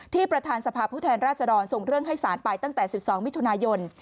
ประธานสภาพผู้แทนราชดรส่งเรื่องให้สารไปตั้งแต่๑๒มิถุนายน